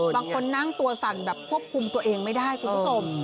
บางคนนั่งตัวสั่นแบบควบคุมตัวเองไม่ได้คุณผู้ชม